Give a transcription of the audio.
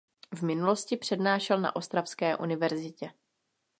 V minulosti přednášel na Ostravské univerzitě.